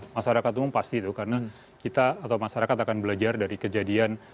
masyarakat umum pasti itu karena kita atau masyarakat akan belajar dari kejadian